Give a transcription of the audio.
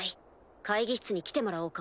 会議室に来てもらおうか。